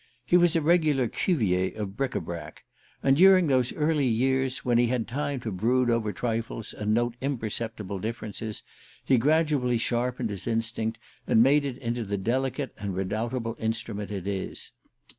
He was a regular Cuvier of bric a brac. And during those early years, when he had time to brood over trifles and note imperceptible differences, he gradually sharpened his instinct, and made it into the delicate and redoubtable instrument it is.